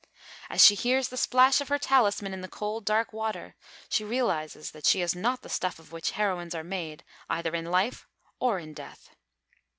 As she hears the splash of her talisman in the cold, dark water, she realises that she is not the stuff of which heroines are made, either in life or in death.